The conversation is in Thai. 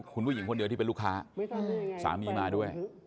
คุณผู้หญิงคนเดียวที่เป็นลูกค้าสามีมาด้วย